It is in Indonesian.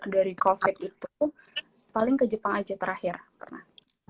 dari covid itu paling ke jepang aja terakhir pernah